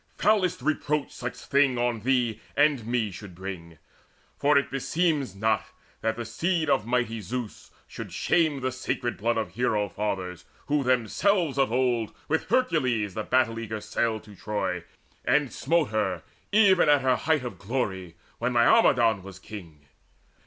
Foulest reproach such thing on thee and me Should bring; for it beseems not that the seed Of mighty Zeus should shame the sacred blood Of hero fathers, who themselves of old With Hercules the battle eager sailed To Troy, and smote her even at her height Of glory, when Laomedon was king.